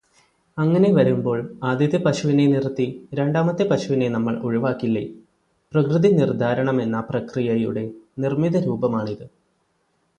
അങ്ങനെ വരുമ്പോൾ ആദ്യത്തെ പശുവിനെ നിർത്തി രണ്ടാമത്തെ പശുവിനെ നമ്മൾ ഒഴിവാക്കില്ലേ? പ്രകൃതി നിർദ്ധാരണമെന്ന പ്രക്രിയയുടെ നിര്മിതരൂപമാണിത്.